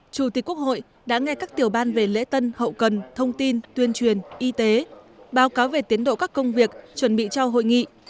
chủ tịch quốc hội đã nghe các tiểu ban về lễ tân hậu cần thông tin tuyên truyền y tế báo cáo về tiến độ các công việc chuẩn bị cho hội nghị